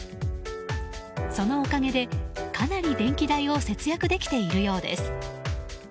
そのおかげで、かなり電気代を節約できているようです。